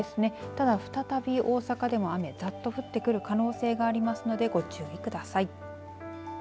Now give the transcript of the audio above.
ただ、再び大阪でも雨ざっと降ってくる可能性がありますのでご注意ください。